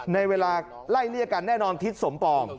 ในเวลาไล่เลี่ยกันแน่นอนทิศสมปอง